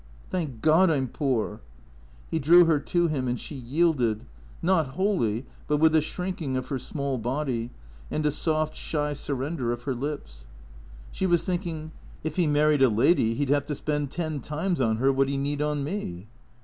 " Thank God I 'm poor." He drew her to him and she yielded, not wholl}', but with a shrinking of her small body, and a soft, shy surrender of her lips. She was thinking, " If he married a lady he 'd have to spend ten times on her what he need on me."